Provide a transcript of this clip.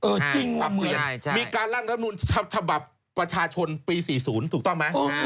จริงความเรียนมีการร่างรัฐมนุนฉบับประชาชนปี๔๐ถูกต้องไหม